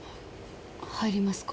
入りますか。